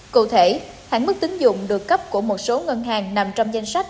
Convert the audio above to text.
cụ thể hạn mức tính dụng được cấp của một số ngân hàng nằm trong danh sách